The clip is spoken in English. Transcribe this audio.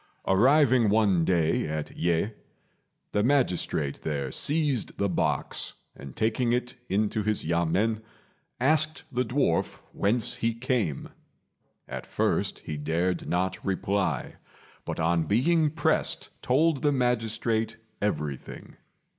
Arriving one day at Yeh, the magistrate there seized the box, and taking it into his yamên asked the dwarf whence he came. At first he dared not reply, but on being pressed told the magistrate everything.